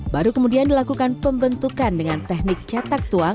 baru kemudian dilakukan pembentukan dengan teknik cetak tuang